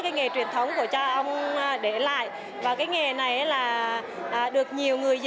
cái nghề truyền thống của cha ông để lại và cái nghề này là được nhiều người dân